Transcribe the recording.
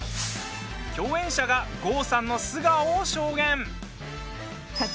共演者が郷さんの素顔を証言。